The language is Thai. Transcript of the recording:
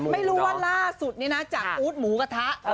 ไม่รู้ว่าล่าสุดนี้นะจากอู๊ดหมูกระทะ